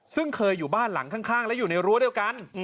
ซึ่งเคยอยู่บ้านหลังข้างและอยู่ในรั้วเดียวกัน